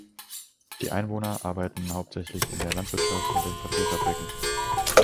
Die Einwohner arbeiten hauptsächlich in der Landwirtschaft und in Papierfabriken.